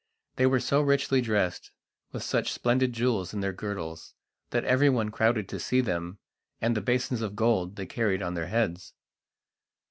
They were so richly dressed, with such splendid jewels in their girdles, that everyone crowded to see them and the basins of gold they carried on their heads.